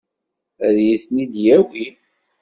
Ad iyi-ten-id-yawi?